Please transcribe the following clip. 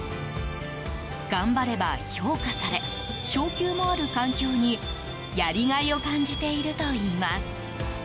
頑張れば評価され昇給もある環境にやりがいを感じているといいます。